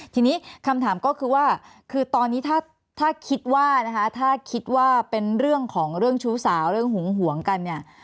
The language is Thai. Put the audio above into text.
ทีนี้คำถามก็คือว่าคือตอนนี้ถ้าคิดว่านะคะถ้าคิดว่าเป็นเรื่องของเรื่องชู้สาวเรื่องหึงหวงกันเนี่ย